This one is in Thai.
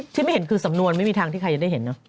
ที่ไม่เห็นคือสำนวนไม่มีทางที่ใครจะได้เห็นเนอะ